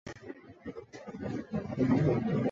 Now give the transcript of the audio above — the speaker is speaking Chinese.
下表罗列香港所有正在运作和已停用的发电厂。